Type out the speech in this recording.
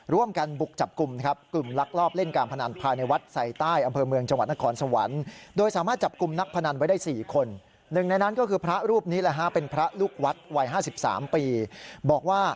ร่วมกันบุกจับกลุ่มนะครับ